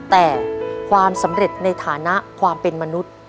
แต่ความสำเร็จในฐานะความเป็นมนุษย์